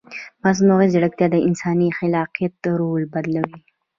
مصنوعي ځیرکتیا د انساني خلاقیت رول بدلوي.